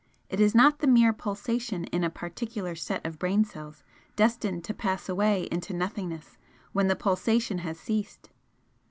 It is not the mere pulsation in a particular set of brain cells, destined to pass away into nothingness when the pulsation has ceased.